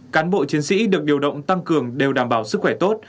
cán bộ chiến sĩ được điều động tăng cường đều đảm bảo sức khỏe tốt